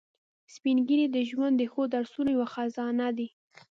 سپین ږیری د ژوند د ښو درسونو یو خزانه دي